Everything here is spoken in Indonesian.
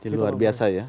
luar biasa ya